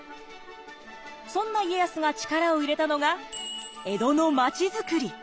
そんな家康が力を入れたのが江戸の町づくり！